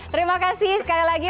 terima kasih sekali lagi